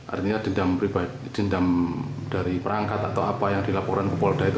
artinya dendam dari perangkat atau apa yang dilaporkan ke polda itu